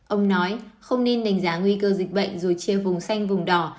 ông nói không nên đánh giá nguy cơ dịch bệnh rồi chia vùng xanh vùng đỏ